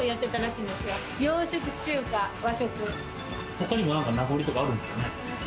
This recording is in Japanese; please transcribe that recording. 他にも何か名残とかあるんですかね？